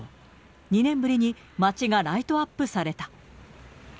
２年ぶりに街がライトアップされた。